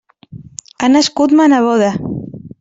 Ha nascut ma neboda.